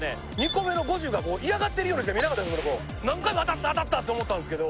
２個目の５０がもう嫌がってるとしか見えなかったんですけど。